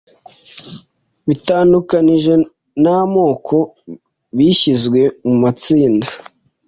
Bitandukanijwe n'amoko Bishyizwe mu matsinda